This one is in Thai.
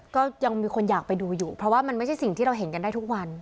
ก็ยังมีคนอยากไปดูอยู่เพราะว่ามันไม่ใช่สิ่งที่เราเห็นกันได้ทุกวัน